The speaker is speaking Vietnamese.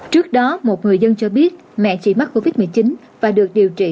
trước đó một người dân cho biết mẹ chỉ mắc covid một mươi chín và được điều trị